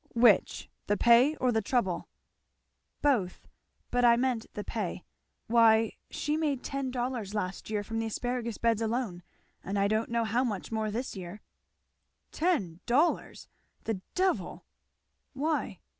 "Which? the pay or the trouble?" "Both. But I meant the pay. Why she made ten dollars last year from the asparagus beds alone, and I don't know how much more this year." "Ten dollars! The devil!" "Why?"